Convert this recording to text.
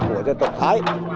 của dân tộc thái